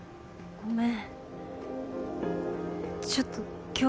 ごめん。